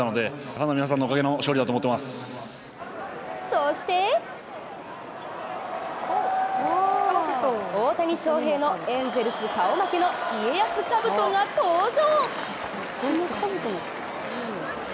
そして大谷翔平のエンゼルス顔負けの家康かぶとが登場！